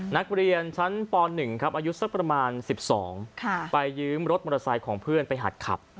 นักเรียนชั้นป๑ครับอายุสักประมาณ๑๒ไปยืมรถมอเตอร์ไซค์ของเพื่อนไปหัดขับ